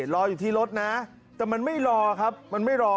รออยู่ที่รถนะแต่มันไม่รอครับมันไม่รอ